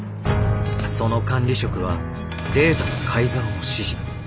その管理職はデータの改ざんを指示。